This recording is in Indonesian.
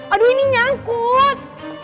aduh ini nyangkut